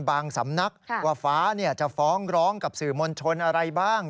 สำนักว่าฟ้าจะฟ้องร้องกับสื่อมวลชนอะไรบ้าง